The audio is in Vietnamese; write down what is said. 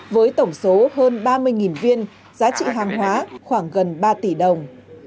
với tổng số hơn ba mươi viên giá trị hàng hóa khoảng gần ba tỷ đồng